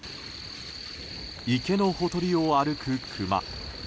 池のほとりを歩く、クマ。